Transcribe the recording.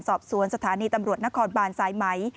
สอบสวนสถานีตำรวจนครบานสายไหม